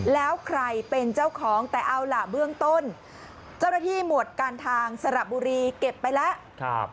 แล้วใครเป็นเจ้าของแต่เอาล่ะเบื้องต้นเจ้าหน้าที่หมวดการทางสระบุรีเก็บไปแล้ว